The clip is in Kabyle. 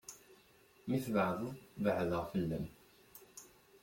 Mi tbaɛdeḍ, beɛdeɣ fell-am.